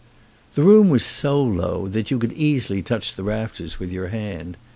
The room was so low that you could easily touch the rafters with your hand.